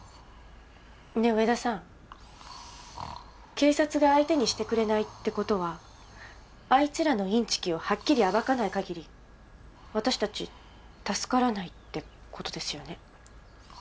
警察が相手にしてくれないって事はあいつらのインチキをはっきり暴かない限り私たち助からないって事ですよね？